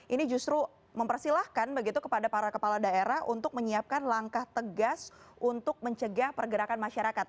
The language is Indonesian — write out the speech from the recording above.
ini justru mempersilahkan begitu kepada para kepala daerah untuk menyiapkan langkah tegas untuk mencegah pergerakan masyarakat